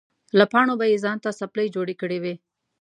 له پاڼو به یې ځان ته څپلۍ جوړې کړې وې.